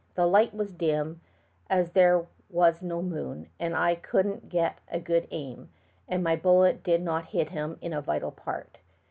The light was dim, as there was no moon, and I couldn't get good aim, and my bullet did not hit him in a vital part.